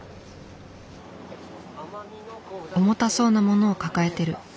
重たそうなものを抱えてる。